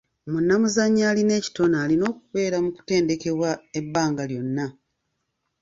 Munnabyamizannyo alina ekitone alina okubeera mu kutendekebwa ebbanga lyonna.